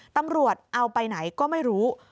ตำรวจเอาไปไหนก็ไม่รู้